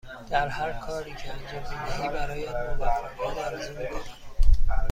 در هرکاری که انجام می دهی برایت موفقیت آرزو می کنم.